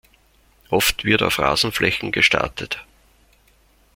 Oft wird auf Rasenflächen gestartet.